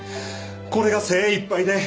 これが精いっぱいで。